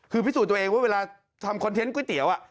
คือพิสูจน์ตัวเองว่าเวลาทำคอนเทนต์ก๋วยเตี๋ยว